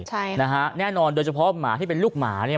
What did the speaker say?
ใช่นะฮะแน่นอนโดยเฉพาะหมาที่เป็นลูกหมาเนี่ย